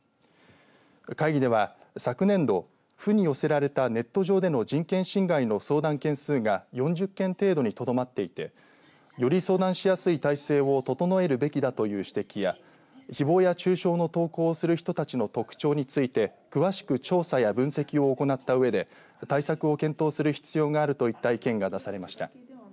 会議では、昨年度府に寄せられたネット上での人権侵害の相談件数が４０件程度にとどまっていてより相談しやすい体制を整えるべきだという指摘やひぼうや中傷の投稿をする人たちの特徴について詳しく調査や分析を行ったうえで対策を検討する必要があるといった意見が出されました。